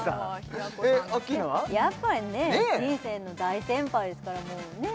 やっぱりね人生の大先輩ですからもうねえ？